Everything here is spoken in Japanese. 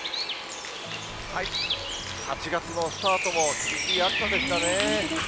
８月のスタートも、厳しい暑本当ですね。